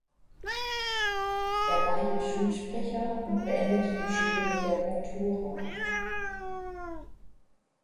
Er war hier Schulsprecher und beendete die Schule mit der Matura.